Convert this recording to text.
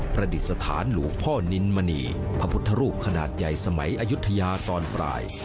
ประดิษฐานหลวงพ่อนินมณีพระพุทธรูปขนาดใหญ่สมัยอายุทยาตอนปลาย